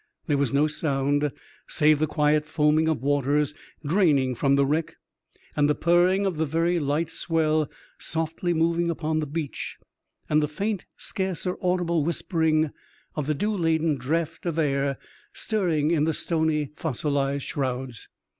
There was no sound, save the quiet foaming of waters draining from the wreck, and the purring of the very light swell softly moving upon the beach, and the faint, scarce audible whispering of the dew laden draught of air stirring in the stony, fossilized shrouds.